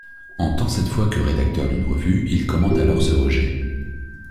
En tant cette fois que rédacteur d'une revue, il commente alors ce rejet.